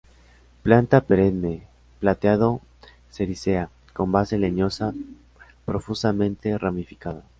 Planta perenne, plateado-serícea, con base leñosa profusamente ramificada.